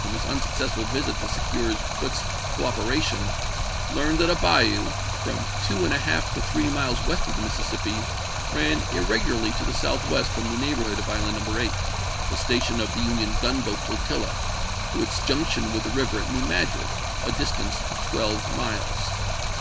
from Ms unsuccessful visit to secure Foote's coop eration, learned that a bayou, from two and a half to three miles west of the Mississippi, ran irregu larly to the southwest from the neighborhood of Island No. 8, the station of the Union gunboat flo tilla, to its junction with the river at New Madrid, a distance of twelve miles.